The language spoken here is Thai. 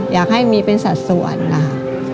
อยากให้มีเป็นสัตว์สวรรค์นะคะ